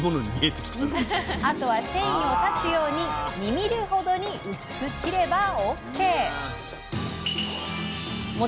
あとは繊維を断つように２ｍｍほどに薄く切ればＯＫ！